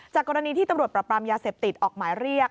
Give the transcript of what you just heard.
กรณีที่ตำรวจปรับปรามยาเสพติดออกหมายเรียก